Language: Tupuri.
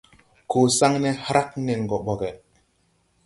Koo saŋne hrag nen gɔ bɔgge.